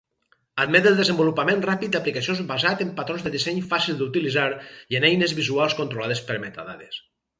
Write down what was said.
Admet el desenvolupament ràpid d'aplicacions basat en patrons de disseny fàcils d'utilitzar i en eines visuals controlades per metadades.